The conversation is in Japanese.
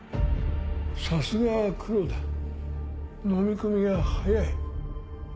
さすがは黒田のみ込みが早い。